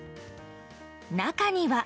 中には。